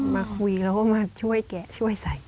มาคุยแล้วก็มาช่วยแกะช่วยใส่